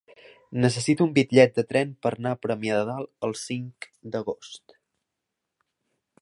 Necessito un bitllet de tren per anar a Premià de Dalt el cinc d'agost.